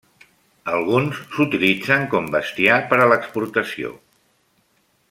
Alguns s'utilitzen com bestiar per a l'exportació.